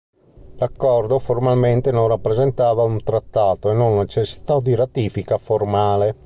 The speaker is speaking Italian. L'accordo formalmente non rappresentava un trattato e non necessitò di ratifica formale.